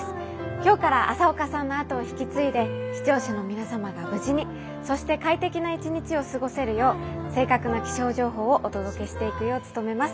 今日から朝岡さんの後を引き継いで視聴者の皆様が無事にそして快適な一日を過ごせるよう正確な気象情報をお届けしていくよう努めます。